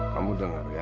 kamu dengar ya